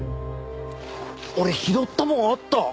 俺拾ったもんあった。